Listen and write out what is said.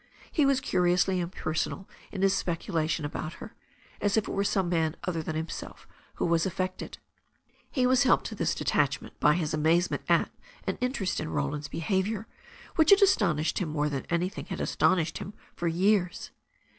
He was curiously impersonal in his speculation about her, as if it were some man other than himself who was affected. He was helped to this detachment by his amazement at and interest in Roland's behaviour, which had astonished him more than anything had astonished him for years.